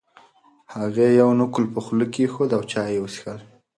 هغې یو نقل په خوله کې کېښود او چای یې وڅښل.